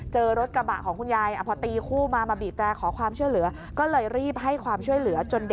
เจอรถกระบะของคุณยายพอตีคู่ว่ามาบีบแจ